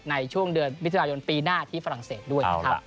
ในช่วงเดือนมิถุนายนปีหน้าที่ฝรั่งเศสด้วยนะครับ